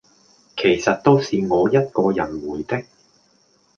其實都是我一個人回的